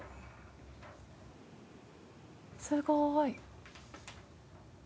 すごーい。